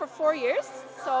đây là năm đầu